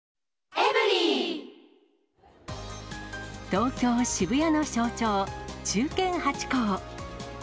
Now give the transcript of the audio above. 東京・渋谷の象徴、忠犬ハチ公。